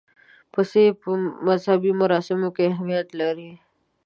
پسه په مذهبي مراسمو کې اهمیت لري.